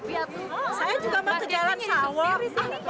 saya juga mau ke jalan sawah